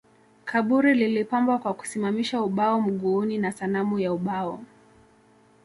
Kaburi lilipambwa kwa kusimamisha ubao mguuni na sanamu ya ubao